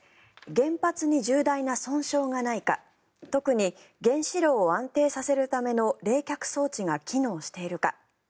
原発に重大な損傷がないか特に原子炉を安定させるための冷却装置が機能しているか。